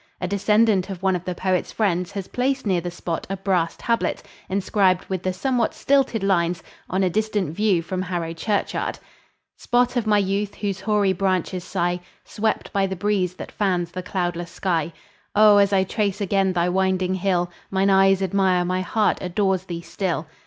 A descendant of one of the poet's friends has placed near the spot a brass tablet, inscribed with the somewhat stilted lines, On a Distant view From Harrow Churchyard, "Spot of my youth, whose hoary branches sigh, Swept by the breeze that fans the cloudless sky; O! as I trace again thy winding hill, Mine eyes admire, my heart adores thee still.